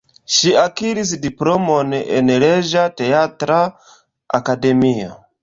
Ŝi akiris diplomon en Reĝa Teatra Akademio.